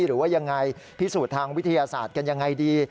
หรือว่ายังไงพิสูจน์ทางวิทยาศาสตร์กันยังไงดี